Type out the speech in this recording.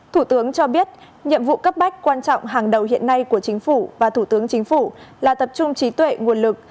thủ tướng cho biết nhiệm vụ cấp bách quan trọng hàng đầu hiện nay của chính phủ và thủ tướng chính phủ là tập trung trí tuệ nguồn lực